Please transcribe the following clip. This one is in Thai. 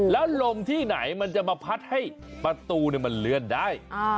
แล้วลมที่ไหนมันจะมาพัดให้ประตูมันเลื่อนได้